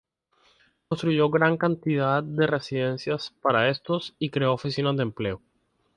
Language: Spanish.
Construyó gran cantidad de residencias para estos y creó oficinas de empleo.